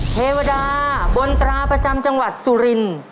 เทวดาบนตราประจำจังหวัดสุรินทร์